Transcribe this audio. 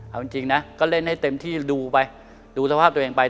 เอาจริงนะก็เล่นให้เต็มที่ดูไปดูสภาพตัวเองไป